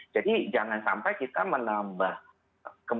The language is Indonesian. jadi jangan sampai kita menambah kemungkinan kita menambah peradangan di tubuh kita